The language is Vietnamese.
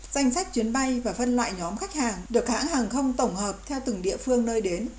danh sách chuyến bay và phân loại nhóm khách hàng được hãng hàng không tổng hợp theo từng địa phương nơi đến